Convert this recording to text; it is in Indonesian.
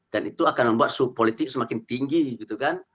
dan itu akan membuat suhu politik semakin tinggi gitu kan